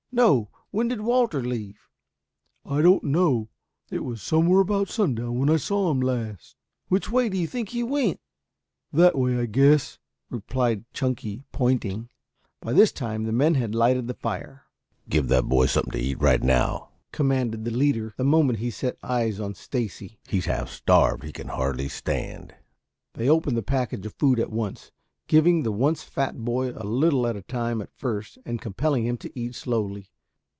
"No, when did Walter leave?" "I don't know. It was somewhere about sundown when I saw him last." "Which way do you think he went?" "That way, I guess," replied Chunky, pointing. By this time the men had lighted the fire. "Give that boy something to eat right now," commanded the leader the moment he set eyes on Stacy. "He's half starved. He can hardly stand." They opened the package of food at once, giving the once fat boy a little at a time at first and compelling him to eat slowly.